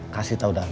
kasih tau darman